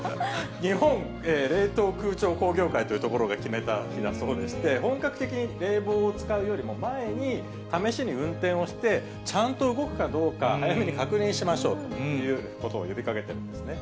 日本冷凍空調工業会という所が決めた日だそうでして、本格的に冷房を使うよりも前に、試しに運転をして、ちゃんと動くかどうか、早めに確認しましょうということを呼びかけてるんですね。